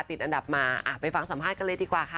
ติดอันดับมาไปฟังสัมภาษณ์กันเลยดีกว่าค่ะ